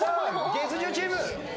月１０チーム！